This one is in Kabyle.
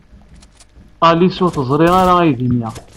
Alice ur teẓri ara aydi-nni.